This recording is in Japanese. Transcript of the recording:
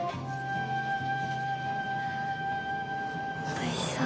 おいしそう。